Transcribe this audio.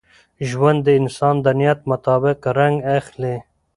ژوند د انسان د نیت مطابق رنګ اخلي.